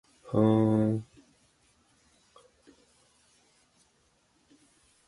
ふーん